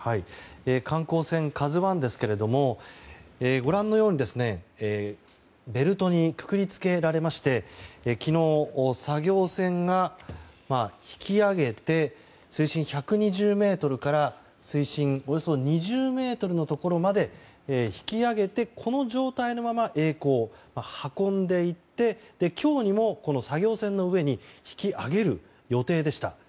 観光船「ＫＡＺＵ１」ですけどご覧のようにベルトにくくり付けられまして昨日、作業船が引き揚げて水深１２０ｍから水深およそ２０ｍのところまで引き揚げてこの状態のまま、えい航運んでいて今日にも作業船の上に引き揚げる予定でした。